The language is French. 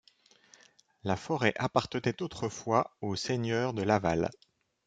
La forêt appartenait autrefois aux seigneurs de Laval.